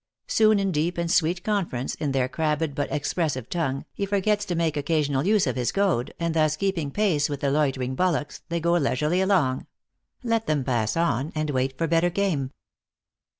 Soon in deep and sweet conference, in their crabbed, but expressive tongue, he forgets to make occasional use of his goad, and thus keeping pace with the loitering bullocks, they go leisurely along. Let them pass on, and wait for better game.